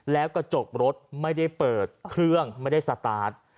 แล้วกระจกรถไม่ได้เปิดเครื่องไม่ได้สตาร์ท